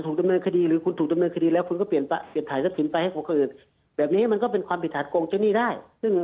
ถ้ารู้นั้นก็ดีถ้าสมมติเรารู้ได้